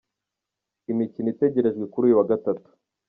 Imikino itegerejwe kuri uyu wa gatatu.